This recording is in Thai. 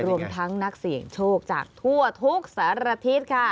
รวมทั้งนักเสี่ยงโชคจากทั่วทุกสารทิศค่ะ